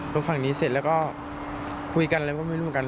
ล้มฝั่งนี้เสร็จแล้วก็คุยกันแล้วก็ไม่รู้กัน